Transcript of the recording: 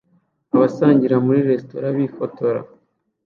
Abasangira muri resitora bifotora